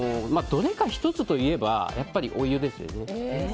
どれか１つといえばお湯ですよね。